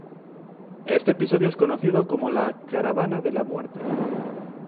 Este episodio es conocido como la Caravana de la Muerte.